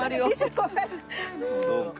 そうか。